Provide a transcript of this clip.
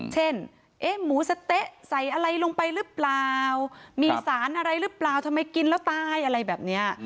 เอ๊ะหมูสะเต๊ะใส่อะไรลงไปหรือเปล่ามีสารอะไรหรือเปล่าทำไมกินแล้วตายอะไรแบบนี้